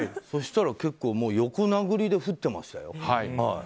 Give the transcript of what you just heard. そうしたら結構横殴りで降ってましたね。